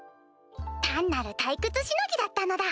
単なる退屈しのぎだったのだ！